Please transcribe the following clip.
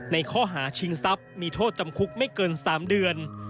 ในข้อหาชิงทรัพย์มีโทษจำคุกไม่เกิน๓เดือน